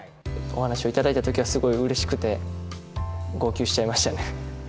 お話を頂いたときは、すごいうれしくて、号泣しちゃいましたね。